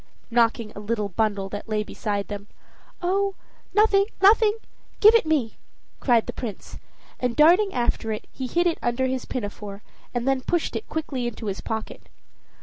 knocking a little bundle that lay beside them. "Oh, nothing, nothing give it me!" cried the Prince, and, darting after it, he hid it under his pinafore, and then pushed it quickly into his pocket.